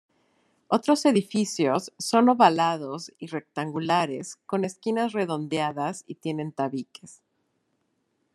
Otros edificios son ovalados o rectangulares con esquinas redondeadas y tienen tabiques.